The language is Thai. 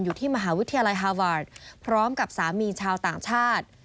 อยู่ที่มหาวิทยาลัยฮาวาสพร้อมกับสามีชาวต่างชาติ